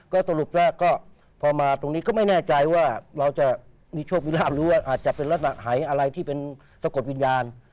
ก็ตรงนี้ก็ไม่แน่ใจว่าเราจะมีโชควิลาภหรือว่าอาจจะเป็นลักษณะหายอะไรที่เป็นสะกดวิญญาณ